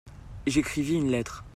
J'écrivis une lettre.